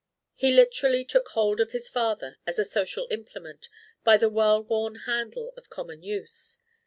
He literally took hold of his father, as a social implement, by the well worn handle of common use.